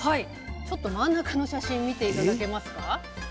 ちょっと真ん中の写真見て頂けますか。